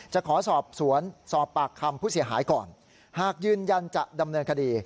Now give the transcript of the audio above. จะขอสอบสวนสอบปากคำผู้เสียหายก่อนหากยืนยันจะดำเนินคดี